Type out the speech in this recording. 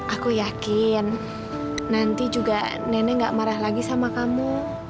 aku yakin nanti juga nenek gak marah lagi sama kamu